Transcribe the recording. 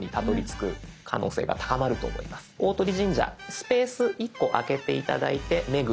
スペース１個空けて頂いて「目黒」